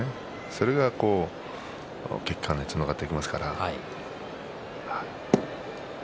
それが結果につながっていきますから、はい。